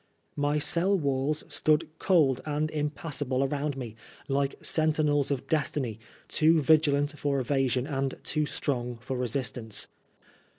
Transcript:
My cell walls stood cold and impassable around me, like sentinels of destiny, too vigilant for evasion and too strong for resistance.